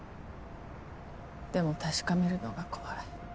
でも確かめるのが怖い。